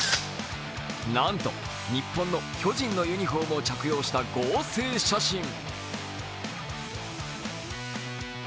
なんと日本の巨人のユニフォームを着用した合成写真。